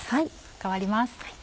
代わります。